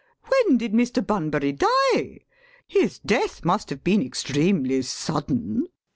When did Mr. Bunbury die? His death must have been extremely sudden. ALGERNON.